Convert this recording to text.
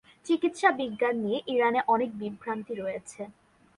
চিকিৎসা বিজ্ঞান নিয়ে ইরানে অনেক বিভ্রান্তি রয়েছে।